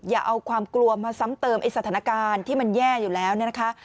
อย่าเอาความกลัวมาซ้ำเติมไอ้สถานการณ์ที่มันแย่อยู่แล้วเนี่ยนะคะ